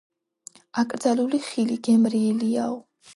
აკრძალული ხილი, გემრიელიაო